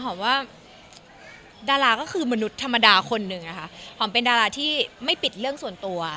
ว่าดาราก็คือมนุษย์ธรรมดาคนหนึ่งนะคะหอมเป็นดาราที่ไม่ปิดเรื่องส่วนตัว